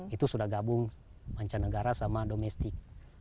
itu sudah gabung mancanegara sama domestik